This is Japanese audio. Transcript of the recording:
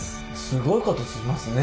すごいことしますね。